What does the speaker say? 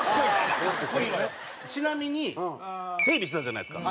ちなみに整備してたじゃないですか。